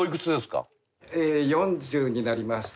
４０になりまして。